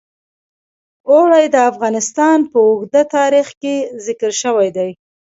اوړي د افغانستان په اوږده تاریخ کې ذکر شوی دی.